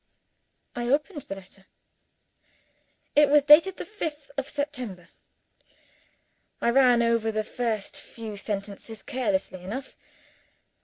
I opened the letter. It was dated the fifth of September. I ran over the first few sentences carelessly enough.